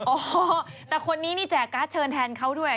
โอ้โหแต่คนนี้นี่แจกการ์ดเชิญแทนเขาด้วย